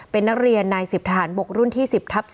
เป็นนักเรียนนาย๑๐ทหารบกรุ่นที่๑๐ทับ๒